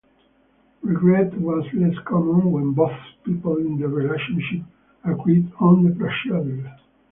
Regret was less common when both people in the relationship agreed on the procedure.